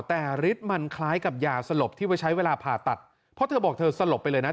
แต่ฤทธิ์มันคล้ายกับยาสลบที่ไว้ใช้เวลาผ่าตัดเพราะเธอบอกเธอสลบไปเลยนะ